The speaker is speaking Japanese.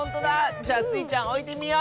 じゃあスイちゃんおいてみよう！